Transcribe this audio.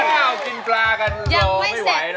น่าวปลากินกาโก๊ย